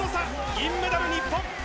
銀メダル、日本！